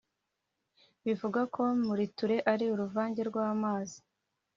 Bivugwa ko Muriture ari uruvange rw’amazi